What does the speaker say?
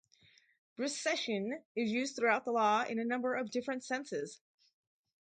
Rescission is used throughout the law in a number of different senses.